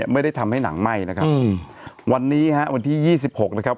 ไม่ได้ทำให้หนังไหม้นะครับวันนี้ฮะวันที่ยี่สิบหกนะครับ